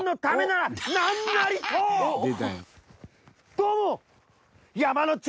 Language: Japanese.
どうも。